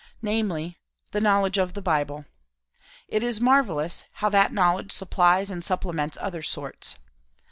Namely, the knowledge of the Bible. It is marvellous, how that knowledge supplies and supplements other sorts.